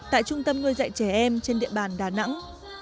tại trung tâm nuôi dạy trẻ em trên địa bàn đà nẵng